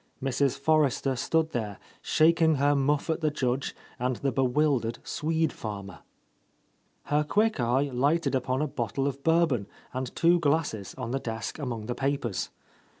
Mrs. Forrester stood there, shaking her muff at the Judge and the bewildered Swede farmer. Her quick eye lighted upon a bottle of Bourbon and two glasses on the desk among the papers.